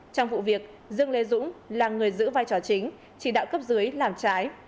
trong vụ việc dương lê dũng là người giữ vai trò chính chỉ đạo cấp dưới làm trái